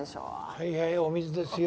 はいはいお水ですよ。